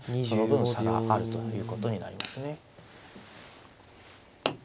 その分差があるということになりますね。